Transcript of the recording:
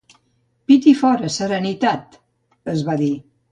«Pit i fora, serenitat», es va dir.